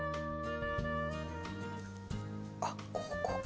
あっここか！